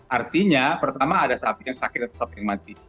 artinya pertama ada sapi yang sakit atau sapi yang mati